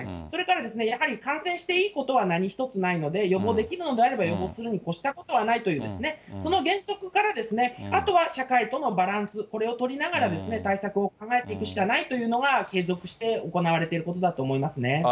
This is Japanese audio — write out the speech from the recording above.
それから、やはり感染していいことは何一つないので、予防できるのであれば、予防するに越したことはないというですね、その原則から、あとは社会とのバランス、これを取りながらですね、対策を考えていくしかないというのが、継続して行われていることだと思いますね。